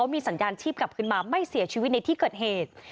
มีสัญญาณชีพกลับขึ้นมาไม่เสียชีวิตในที่เกิดเหตุ